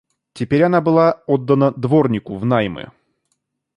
Теперь она была отдана дворнику внаймы.